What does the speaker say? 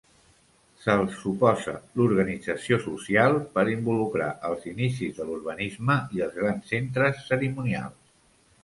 Se'ls suposa l'organització social per involucrar els inicis de l'urbanisme i els grans centres cerimonials.